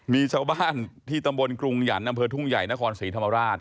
มีชาวบ้านที่ตำบลกรุงหยันต์อำเภอทุ่งใหญ่นครศรีธรรมราช